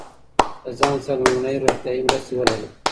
له ځان سره لومړنۍ روغتیایی مرستې ولرئ.